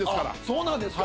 そうなんですか？